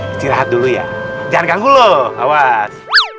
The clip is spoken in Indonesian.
istirahat dulu ya jangan ganggu loh awas